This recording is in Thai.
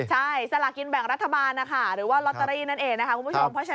ใช่สลากินแบ่งรัฐบาลนะคะหรือว่าลอตเตอรี่นั่นเองนะคะคุณผู้ชม